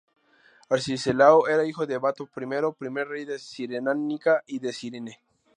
Arcesilao era hijo de Bato I, primer rey de Cirenaica y de Cirene.